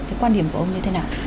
thế quan điểm của ông như thế nào